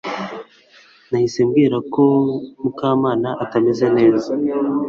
Nahise mbwira ko Mukamana atameze neza